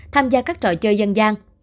tham gia các trò chơi dân gian